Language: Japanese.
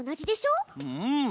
うん！